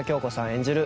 演じる